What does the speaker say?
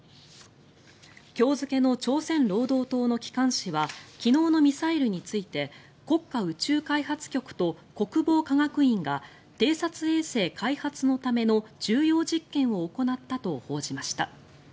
今日付の朝鮮労働党の機関紙は昨日のミサイルについて国家宇宙開発局と国防科学院が偵察衛星開発のための重要実験を行ったと報じました。